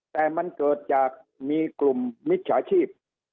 แต่มันเกิดจากมีกลุ่มมิจฉาชีพ